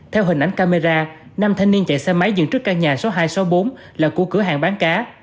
theo hình ảnh camera năm thanh niên chạy xe máy dựng trước căn nhà số hai số bốn là của cửa hàng bán cá